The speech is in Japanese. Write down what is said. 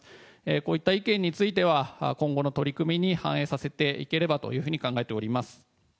こういった意見については、今後の取り組みに反映させていければというふうに考えております。